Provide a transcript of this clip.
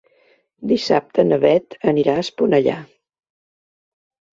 Dissabte na Beth anirà a Esponellà.